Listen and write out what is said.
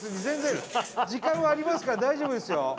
全然時間はありますから大丈夫ですよ。